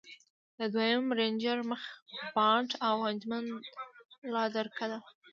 د دويم رېنجر مخ بانټ او انجن لادرکه و.